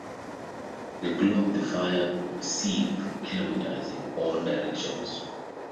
The glow of the fire could be seen for kilometres in all directions.